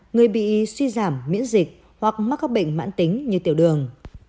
người bị suy giảm miễn dịch hoặc mắc các bệnh mãn tính như tiểu đường